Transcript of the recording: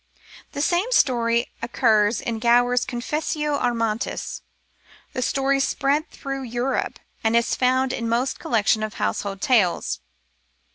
The same story occurs in Gower*s Confessio Amantis, The story spread throughout Europe, and is found in most collections of household tales.